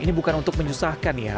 ini bukan untuk menyusahkan ya